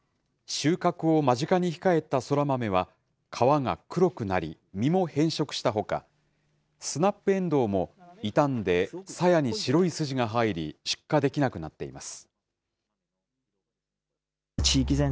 収穫を間近に控えたそら豆は、皮が黒くなり、実も変色したほか、スナップエンドウも傷んでさやに白い筋が入り、出荷できなくなっています。